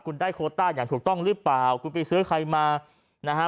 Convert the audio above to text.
คุณได้โคต้าอย่างถูกต้องหรือเปล่าคุณไปซื้อใครมานะฮะ